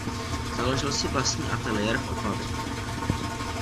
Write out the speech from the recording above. Založil si vlastní ateliér v Opavě.